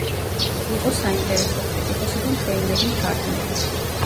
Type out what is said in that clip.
იყო საინტერესო კრიტიკოსი და მშვენიერი მთარგმნელი.